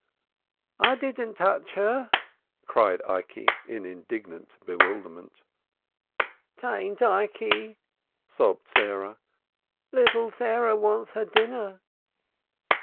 "I didden touch 'er," cried Ikey in indignant bewilderment. "'Tain't Ikey!" sobbed Sarah. "Little Tharah wants 'er dinner."